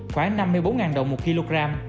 khoảng năm mươi bốn ngàn đồng một kg